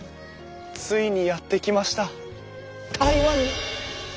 ついにやって来ました台湾に！